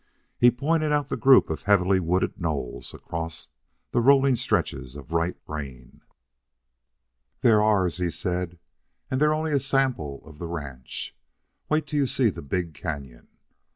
He pointed out the group of heavily wooded knolls across the rolling stretches of ripe grain. "They're ours," he said. "And they're only a sample of the ranch. Wait till you see the big canon.